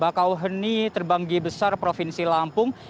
bakauheni terbanggi besar provinsi lampung